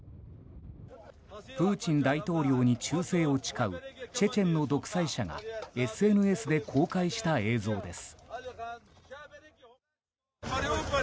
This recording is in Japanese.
プーチン大統領に忠誠を誓うチェチェンの独裁者がＳＮＳで公開した映像です。